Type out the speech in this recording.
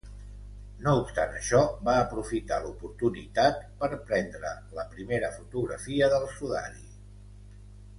No obstant això, va aprofitar l'oportunitat per prendre la primera fotografia del sudari.